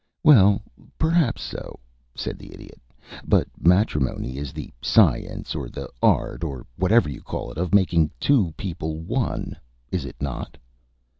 "Well, perhaps so," said the Idiot. "But matrimony is the science, or the art, or whatever you call it, of making two people one, is it not?"